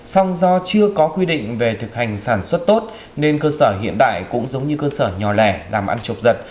song do chưa có quy định về thực hành sản xuất tốt nên cơ sở hiện đại cũng giống như cơ sở nhỏ lẻ làm ăn chập giật